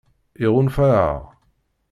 Iɣunfa-aɣ?